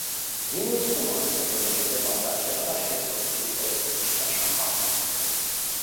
Vinul spumant se produce pe baza acelorași tehnologii folosite și la șampanie.